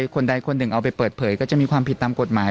คนใดคนหนึ่งเอาไปเปิดเผยก็จะมีความผิดตามกฎหมาย